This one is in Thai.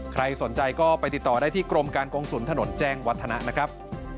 ใครสนใจก็ไปติดต่อได้ที่กรมการกงศูนย์ถนนแจ้งวัฒนะนะครับ